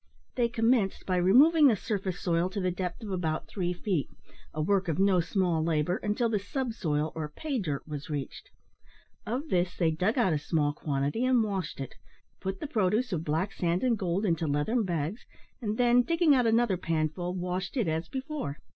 They commenced by removing the surface soil to the depth of about three feet, a work of no small labour, until the subsoil, or "pay dirt," was reached. Of this they dug out a small quantity, and washed it; put the produce of black sand and gold into leathern bags, and then, digging out another panful, washed it as before.